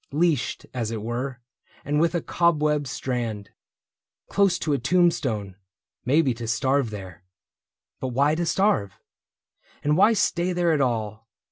Leashed, as it were, and with a cobweb strand. Close to a tombstone — maybe to starve there. But why to starve ? And why stay there at all